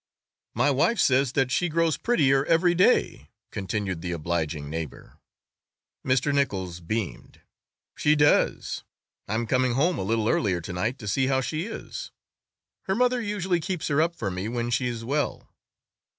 "My wife says that she grows prettier every day," continued the obliging neighbor. Mr. Nichols beamed. "She does. I'm coming home a little earlier to night to see how she is. Her mother usually keeps her up for me when she's well."